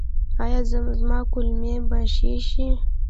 ایا زما کولمې به ښې شي؟